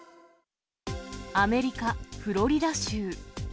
アメリカ・フロリダ州。